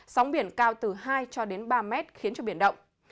sóng biển cao từ hai ba mét khiến cho biển động